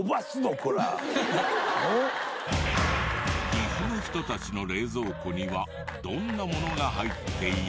岐阜の人たちの冷蔵庫にはどんなものが入っている？